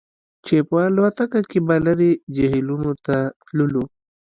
چې په الوتکه کې به لرې جهیلونو ته تللو